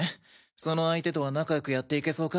その相手とは仲良くやっていけそうか？